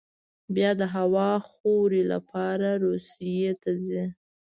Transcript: بیا د هوا خورۍ لپاره روسیې ته ځي.